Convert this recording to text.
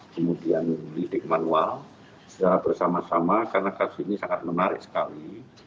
kemudian lidik manual secara bersama sama karena kasus ini sangat menarik sekali